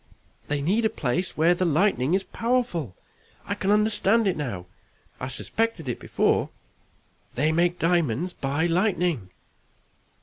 They need a place where the lightning is powerful. I can understand it now I suspected it before. They make diamonds by lightning!"